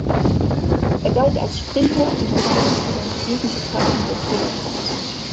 Er galt als Sprinter und gewann insgesamt sieben Etappen der Tour de France.